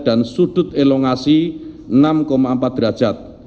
dan sudut elongasi enam empat derajat